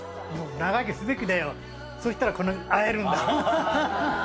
長生きすべきだよ、そうしたら会えるんだから。